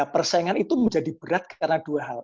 persaingan itu menjadi berat karena dua hal